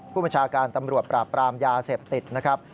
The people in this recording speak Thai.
ผู้บัญชาการตำรวจปราบปรามยาเสพติดนะครับ